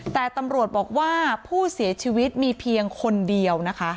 แต่ตำรวจบอกว่าผู้เสียชีวิตมีเพียงคนเดียวนะคะ